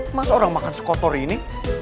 emang seorang makan sekotor ini